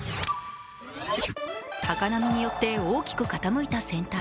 高波によって大きく傾いた船体。